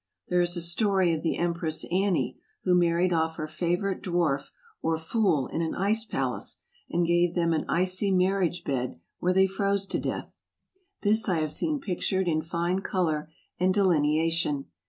There is a story of the Empress Annie, who married off her favorite dwarf or fool in an ice palace and gave them an icy marriage bed, where they froze to death. This I have seen pictured in fine color and delineation.